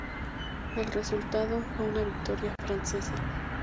El resultado fue una victoria francesa.